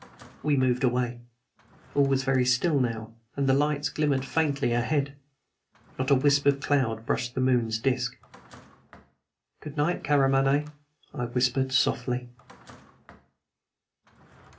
We moved away. All was very still now, and the lights glimmered faintly ahead. Not a wisp of cloud brushed the moon's disk. "Good night, Karamaneh," I whispered softly.